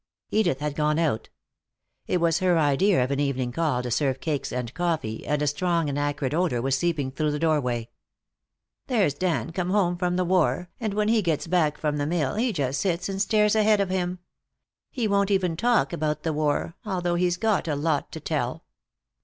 Edith had gone out. It was her idea of an evening call to serve cakes and coffee, and a strong and acrid odor was seeping through the doorway. "There's Dan come home from the war, and when he gets back from the mill he just sits and stares ahead of him. He won't even talk about the war, although he's got a lot to tell."